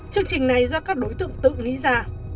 chương trình này do các đối tượng tự nghĩ ra